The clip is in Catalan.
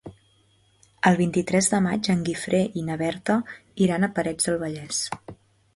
El vint-i-tres de maig en Guifré i na Berta iran a Parets del Vallès.